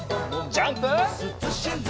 ジャンプ！